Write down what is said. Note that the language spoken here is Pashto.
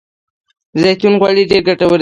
د زیتون غوړي ډیر ګټور دي.